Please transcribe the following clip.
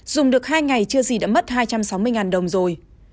dùng được hai ngày chưa gì đã mất hai trăm sáu mươi đồng rồi